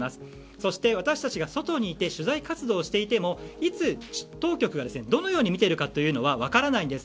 そして、私たちが外にいて取材活動をしていてもいつ当局がどのように見ているのかというのは分からないんです。